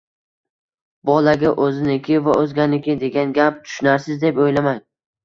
Bolaga o‘ziniki va o‘zganiki degan gap tushunarsiz, deb o‘ylamang.